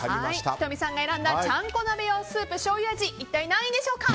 仁美さんが選んだちゃんこ鍋用スープ醤油味、一体何位でしょうか。